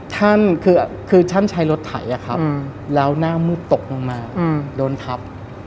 ท่านใช้รถไถแล้วหน้ามุดตกลงมาโดนทัพ